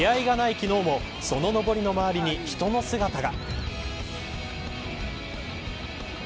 昨日もそののぼりの周りに人の姿が。